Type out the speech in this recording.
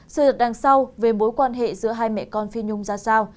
sự đựng đằng sau về mối quan hệ giữa hai mẹ con phi nhung ra sao